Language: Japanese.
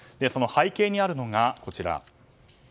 その背景にあるのがこちら。